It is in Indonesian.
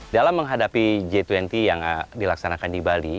dalam menghadapi g dua puluh yang dilaksanakan di bali